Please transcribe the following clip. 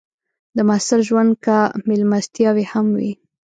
د محصل ژوند کې مېلمستیاوې هم وي.